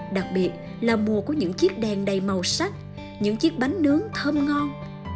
đặc biệt là mùa của những chiếc đèn đầy màu sắc những chiếc bánh nướng thơm ngon